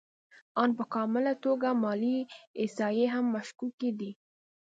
آن په کامله توګه مالي احصایې هم مشکوکې دي